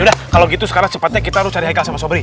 udah kalau gitu sekarang cepatnya kita harus cari hai sama sobri